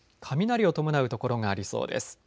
雷を伴う所がありそうです。